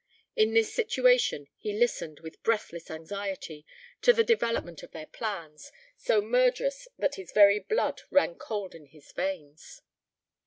In this situation, he listened with breathless anxiety, to the development of their plans, so murderous that his very blood ran cold in his veins.